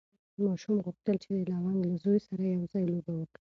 ماشوم غوښتل چې د لونګ له زوی سره یو ځای لوبه وکړي.